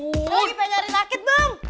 lo lagi pengen nyari raket bang